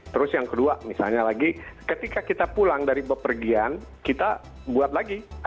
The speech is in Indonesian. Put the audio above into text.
terus yang kedua misalnya lagi ketika kita pulang dari bepergian kita buat lagi